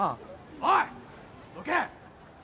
・おい！どけ！